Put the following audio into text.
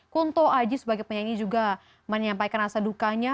kunto aji sebagai penyanyi juga menyampaikan rasa dukanya